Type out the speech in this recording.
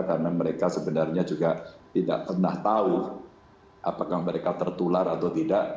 karena mereka sebenarnya juga tidak pernah tahu apakah mereka tertular atau tidak